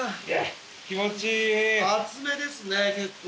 熱めですね結構。